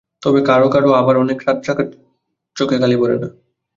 তবে কারও কারও আবার অনেক রাত জাগার পরও চোখে কালি পড়ে না।